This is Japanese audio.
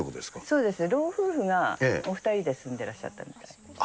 そうですね、老夫婦がお２人で住んでらっしゃったみたいですね。